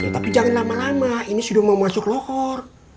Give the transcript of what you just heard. tapi jangan lama lama ini sudah mau masuk lokor